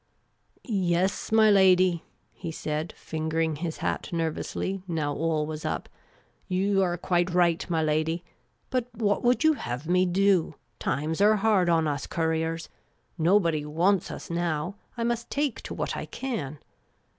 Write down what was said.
" Yes, my lady," he said, fingering his hat nervously, now all was up. " You are quite right, my lady. But what would you have me do ? Times are hard on us couriers. Nobody wants us now. I must take to what I can."